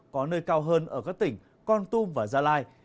có nơi cao hơn ở các tỉnh con tum và gia lai